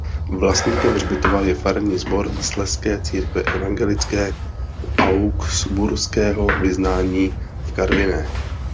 Vlastníkem hřbitova je Farní sbor Slezské církve evangelické augsburského vyznání v Karviné.